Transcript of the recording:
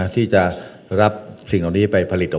ที่จะรับสิ่งเหล่านี้ไปผลิตออก